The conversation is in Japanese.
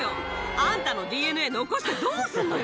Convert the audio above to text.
あんたのＤＮＡ残してどうするのよ。